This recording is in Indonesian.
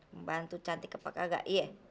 pembantu cantik ke pak kaga iya